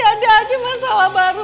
ada aja masalah baru